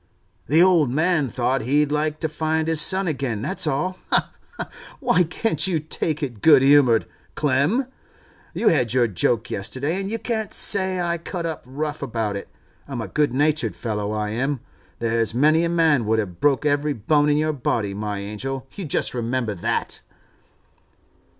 'The old man thought he'd like to find his son again, that's all. Ha, ha! Why can't you take it good humoured, Clem? You had your joke yesterday, and you can't say I cut up rough about it. I'm a good natured fellow, I am. There's many a man would have broke every bone in your body, my angel, you just remember that!